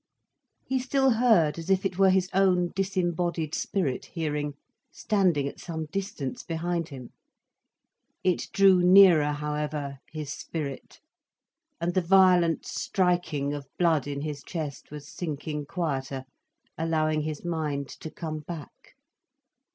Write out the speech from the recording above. He still heard as if it were his own disembodied spirit hearing, standing at some distance behind him. It drew nearer however, his spirit. And the violent striking of blood in his chest was sinking quieter, allowing his mind to come back.